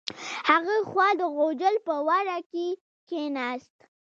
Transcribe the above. هغې خوا د غوجل په وره کې کیناست.